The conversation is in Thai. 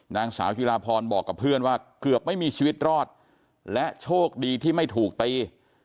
นางสาวจิราพรบอกกับเพื่อนว่าเกือบไม่มีชีวิตรอดและโชคดีที่ไม่ถูกตี